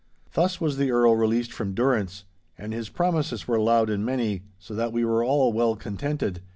Thus was the Earl released from durance, and his promises were loud and many, so that we were all well contented.